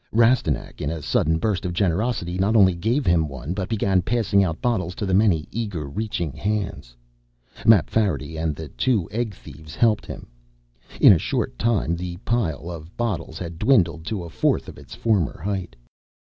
Rastignac, in a sudden burst of generosity, not only gave him one, but began passing out bottles to the many eager reaching hands. Mapfarity and the two egg thieves helped him. In a short time, the pile of bottles had dwindled to a fourth of its former height.